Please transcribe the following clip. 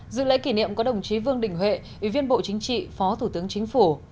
dự lễ kỷ niệm có đồng chí vương đình huệ ủy viên bộ chính trị phó thủ tướng chính phủ